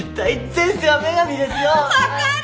分かる！